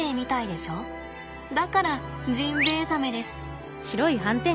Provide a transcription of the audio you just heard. だからジンベエザメです。